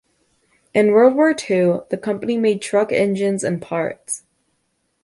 In World War Two the company made truck engines and parts.